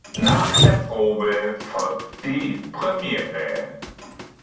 Nach der Probe folgt die Premiere.